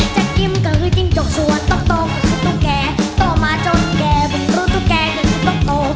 จากกิ้มก็คือจิ้มจกส่วนตกก็คือตุ๊กแกต่อมาจนแกบึงรู้ตุ๊กแกอย่างคือตุ๊กโต